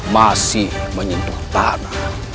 masih menyentuh tanah